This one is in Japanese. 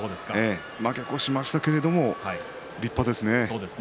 負け越しましたけど立派ですね。